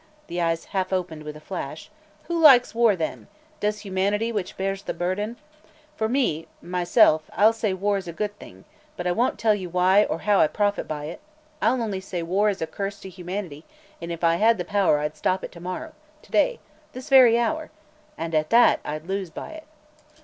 the eyes half opened with a flash. "Who likes war, then? Does humanity, which bears the burden? For me myself I'll say war is a good thing, but I won't tell you why or how I profit by it; I'll only say war is a curse to humanity and if I had the power I'd stop it tomorrow to day this very hour! And, at that, I'd lose by it."